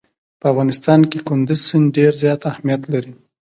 په افغانستان کې کندز سیند ډېر زیات اهمیت لري.